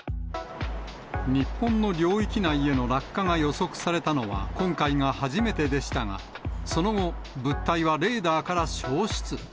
日本の領域内への落下が予測されたのは今回が初めてでしたが、その後、物体はレーダーから消失。